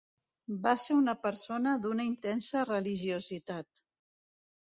Va ser una persona d'una intensa religiositat.